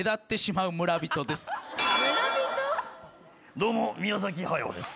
どうも宮駿です。